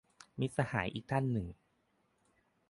มิตรสหายอีกท่านหนึ่ง